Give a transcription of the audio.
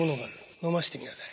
のませてみなさい。